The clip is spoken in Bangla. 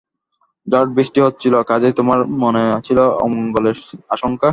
ঝড়বৃষ্টি হচ্ছিল, কাজেই তোমার মনে ছিল অমঙ্গলের আশঙ্কা।